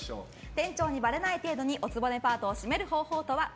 店長にばれない程度にお局パートをシメる方法とは？